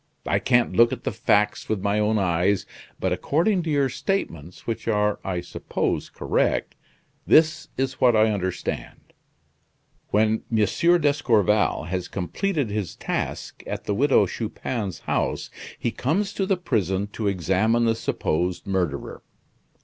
I can't look at the facts with my own eyes, but according to your statements, which are I suppose correct, this is what I understand. When M. d'Escorval has completed his task at the Widow Chupin's house, he comes to the prison to examine the supposed murderer.